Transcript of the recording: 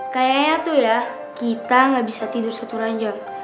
kayaknya tuh ya kita nggak bisa tidur satu ranjang